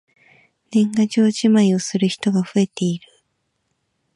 年賀状じまいをする人が増えている。